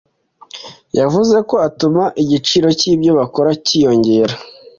yavuze ko atuma igiciro cy’ibyo bakora cyiyongera